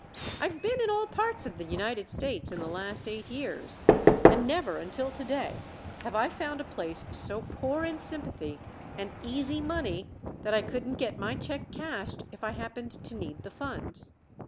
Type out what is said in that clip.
I've been in all parts of the United States in the last eight years, and never until to day have I found a place so poor in sympathy, and easy money, that I couldn't get my check cashed if I happened to need the funds.